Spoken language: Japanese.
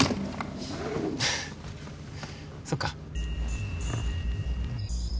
そっか。